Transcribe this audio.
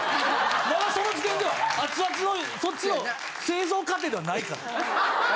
まだその時点では熱々のそっちを製造過程ではないから。